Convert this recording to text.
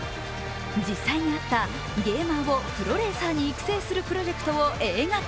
実際にあったゲーマーをプロレーサーに育成するプロジェクトを映画化。